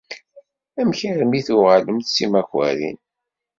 Amek armi i tuɣalemt d timakarin?